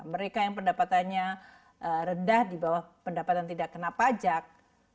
mereka yang pendapatannya rendah di bawah pendapatan tidak kena pajak